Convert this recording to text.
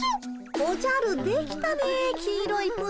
おじゃるできたね黄色いプリン。